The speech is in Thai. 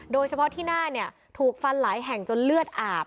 โดยเฉพาะที่หน้าถูกฟันหลายแห่งจนเลือดอาบ